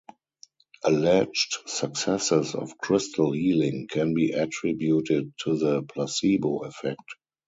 Alleged successes of crystal healing can be attributed to the placebo effect.